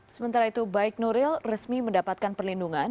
sementara itu baik nuril resmi mendapatkan perlindungan